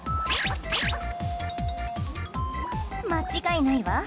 間違いないわ。